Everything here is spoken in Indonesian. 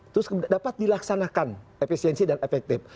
terus dapat dilaksanakan efisiensi dan efektif